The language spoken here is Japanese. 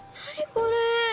これ！